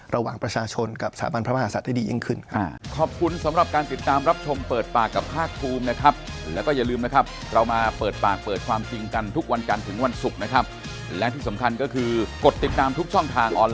ระหว่างประชาชนกับสถาบันพระมหาศัตริย์ที่ดียิ่งขึ้น